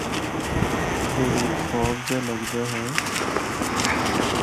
اے ہک خواب جا لگدا اے۔